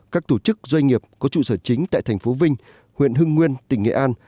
các tổ chức doanh nghiệp có trụ sở chính tại thành phố vinh huyện hưng nguyên tỉnh nghệ an